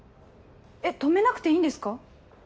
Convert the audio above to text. えっ止めなくていいんですか？